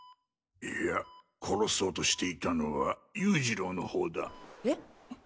いや殺そうとしていたのは優次郎のほうだ。え？